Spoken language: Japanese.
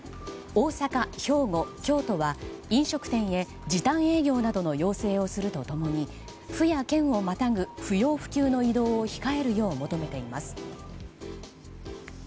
大阪、兵庫、京都は飲食店へ時短営業などの要請をすると共に府や県をまたぐ不要不急の移動を控えるように求めています。